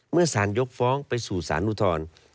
เมื่อสารยกฟ้องไปสู่สารอุทธร